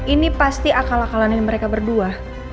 ini pasti akal akalannya mereka berdua